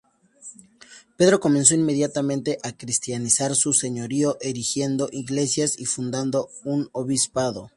Pedro comenzó inmediatamente a cristianizar su señorío, erigiendo iglesias y fundando un obispado.